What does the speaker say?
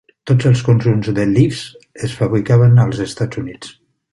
Tots els conjunts de Leafs es fabricaven als Estats Units.